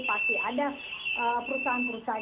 pasti ada perusahaan perusahaan